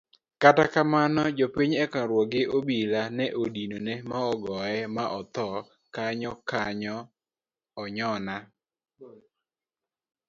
Kata kamano jopiny ekonyruok gi obila ne odinone ma ogoye ma othoo kanyokanyo onyona